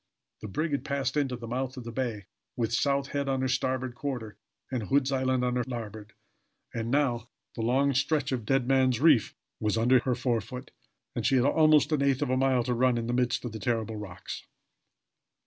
The brig had passed into the mouth of the bay, with South Head on her starboard quarter, and Hood's Island on her larboard; and now the long stretch of Dead Man's Reef was under her forefoot, and she had almost an eighth of a mile to run in the midst of the terrible rocks!